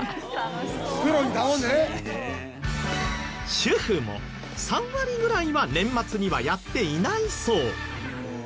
主婦も３割ぐらいは年末にはやっていないそう。